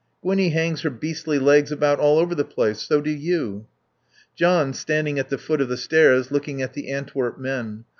"Gwinnie hangs her beastly legs about all over the place. So do you." John standing at the foot of the stairs, looking at the Antwerp men.